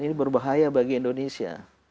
ini berbahaya bagi indonesia